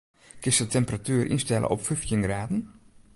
Kinst de temperatuer ynstelle op fyftjin graden?